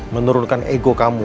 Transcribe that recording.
menguruskan ego kamu